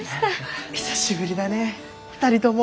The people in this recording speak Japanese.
久しぶりだね２人とも。